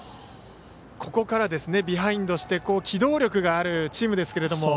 ここからビハインドして機動力があるチームですが。